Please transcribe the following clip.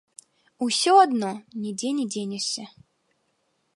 Усё адно нідзе не дзенешся.